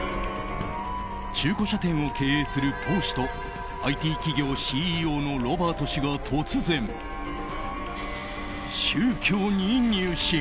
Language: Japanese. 中古車店を経営するポー氏とＩＴ企業ＣＥＯのロバート氏が突然、宗教に入信。